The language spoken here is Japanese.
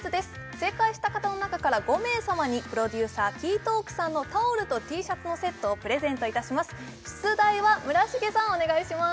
正解した方の中から５名様にプロデューサーＫＥＹＴＡＬＫさんのタオルとＴシャツのセットをプレゼントいたします出題は村重さんお願いします